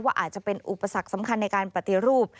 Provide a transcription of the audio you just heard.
อาจจะเป็นอุปสรรคสำคัญในการปฏิรูป